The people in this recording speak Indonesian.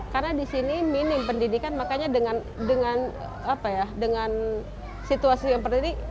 karena di sini minim pendidikan makanya dengan situasi yang penting ini